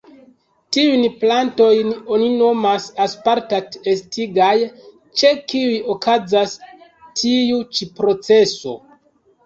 Tiujn plantojn oni nomas aspartat-estigaj, ĉe kiuj okazas tiu ĉi proceso.